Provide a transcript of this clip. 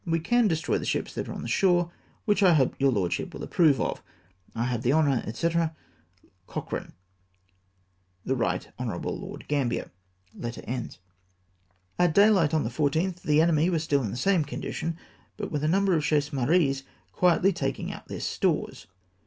We can destroy the ships that are on shore, which I hope your Lordship will approve of. " I have the honour, &c. " COCHKANE. " The Kight Hon. Lord Gambler." At dayhght on the 14th the enemy were still in the same condition, but with a number of chasse marees quietly taking out their stores.